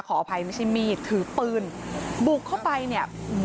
ขออภัยไม่ใช่มีดถือปืนบุกเข้าไปเนี่ย